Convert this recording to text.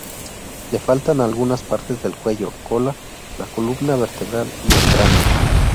Le faltan algunas partes del cuello, cola, la columna vertebral y el cráneo.